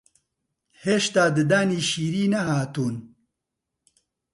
هێشتا ددانی شیری نەهاتوون